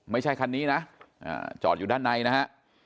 ไม่ใช่คันนี้นะจอดอยู่ด้านในนะฮะ